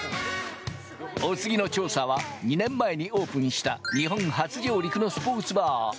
お次の調査は２年前にオープンした、日本初上陸のスポーツバー。